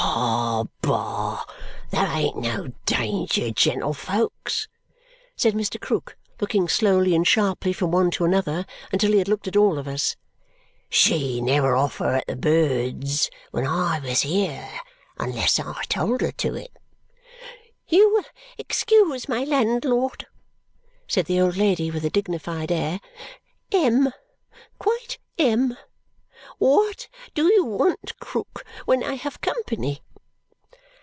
"Bah, bah! There ain't no danger, gentlefolks," said Mr. Krook, looking slowly and sharply from one to another until he had looked at all of us; "she'd never offer at the birds when I was here unless I told her to it." "You will excuse my landlord," said the old lady with a dignified air. "M, quite M! What do you want, Krook, when I have company?"